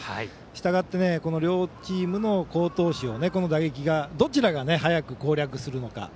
したがって、両チームの好投手を打撃がどちらが早く攻略するのか。